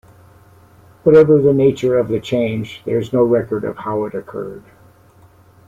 Whatever the nature of the change, there is no record of how it occurred.